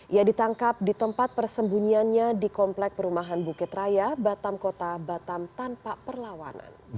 ia ditangkap di tempat persembunyiannya di komplek perumahan bukit raya batam kota batam tanpa perlawanan